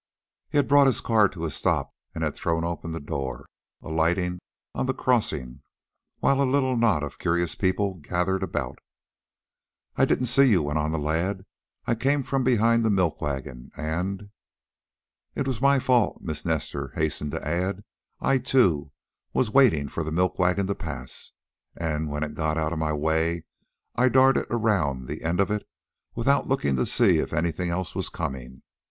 He had brought his car to a stop, and had thrown open the door, alighting on the crossing, while a little knot of curious people gathered about. "I didn't see you," went on the lad. "I came from behind the milk wagon, and " "It was my fault," Miss Nestor hastened to add. "I, too, was waiting for the milk wagon to pass, and when it got out of my way, I darted around the end of it, without looking to see if anything else was coming.